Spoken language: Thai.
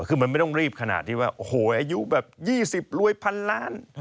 คือมันไม่ต้องรีบขนาดที่ว่าโอ้โหอายุแบบ๒๐รวยพันล้าน